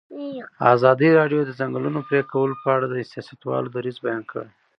ازادي راډیو د د ځنګلونو پرېکول په اړه د سیاستوالو دریځ بیان کړی.